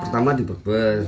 pertama di berbes